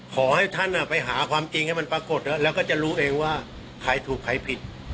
ขอให้ท่านไปหาความจริงให้มันปรากฏแล้วก็จะรู้เองว่าใครถูกใครผิด